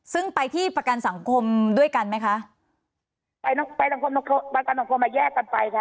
ซึ่งไปที่ประกันสังคมด้วยกันไหมคะไปน้องไปประกันสังคมมาแยกกันไปค่ะ